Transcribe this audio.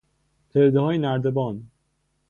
پلههای نردبان